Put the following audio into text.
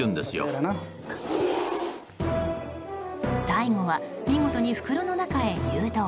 最後は見事に袋の中へ誘導。